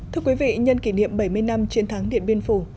thưa quý vị nhân kỷ niệm bảy mươi năm chiến thắng điện biên phủ